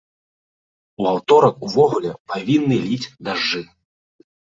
У аўторак увогуле павінны ліць дажджы!